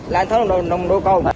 làm xong nông độ cồn